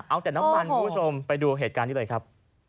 เอาแต่น้ำมันคุณผู้ชมไปดูเหตุการณ์นี้เลยครับ